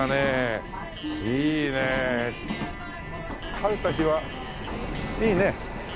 晴れた日はいいね。